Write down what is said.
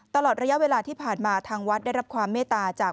ตลอดระยะเวลาที่ผ่านมาทางวัดได้รับความเมตตาจาก